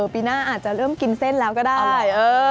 ปีหน้าอาจจะเริ่มกินเส้นแล้วก็ได้